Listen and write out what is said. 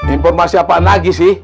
informasi apaan lagi sih